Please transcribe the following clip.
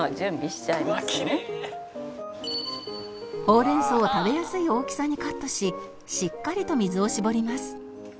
ほうれん草を食べやすい大きさにカットししっかりと水を絞ります